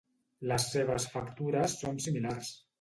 Les seves factures són similars.